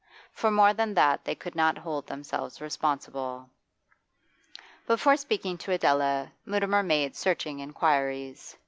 For more than that they could not hold themselves responsible. Before speaking to Adela, Mutimer made searching inquiries.